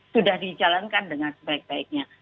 sudah dijalankan dengan sebaik baiknya